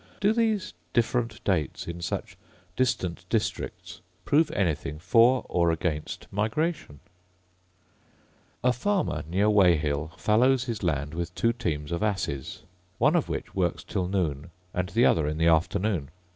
Do these different dates, in such distant districts, prove anything for or against migration ? A farmer, near Weyhill, fallows his land with two teams of asses; one of which works till noon, and the other in the afternoon.